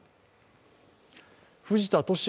藤田聖也